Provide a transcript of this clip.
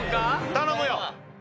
頼むよ